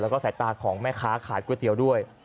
แล้วก็สายตาของแม่ค้าขายก๋วยเตี๋ยวด้วย